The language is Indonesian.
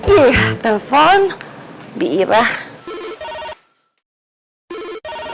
ih telepon biiran